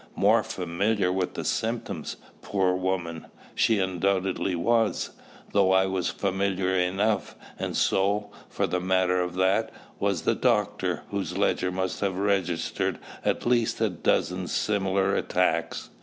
More familiar with the symptoms, poor woman, she undoubtedly was, though I was familiar enough; and so, for the matter of that, was the doctor, whose ledger must have registered at least a dozen similar "attacks."